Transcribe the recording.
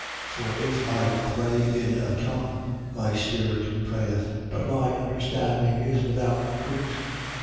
14:14. For if I pray in a tongue, my spirit prayeth: but my understanding is without fruit.